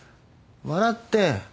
笑って。